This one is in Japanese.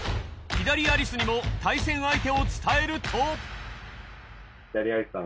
ヒダリアリスにも対戦相手を伝えると。